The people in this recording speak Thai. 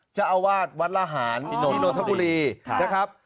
เจ้าอาวาสวัดละหารที่นนทบุรีนะครับ